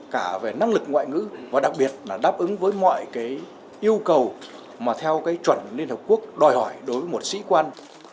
cả về năng lực ngoại ngữ và đặc biệt là đáp ứng với mọi cái yêu cầu mà theo cái chuẩn liên hợp quốc đòi hỏi đối với một sĩ quan